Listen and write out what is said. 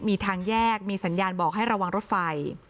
มีทางแยกมีสัญญาณบอกให้ระวังรถไฟ